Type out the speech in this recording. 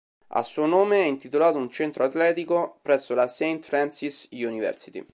A suo nome è intitolato un centro atletico presso la Saint Francis University.